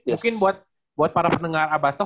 mungkin buat para pendengar abastom